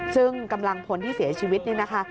ซึ่งกำลังพลที่เสียชีวิตนี่นะคะ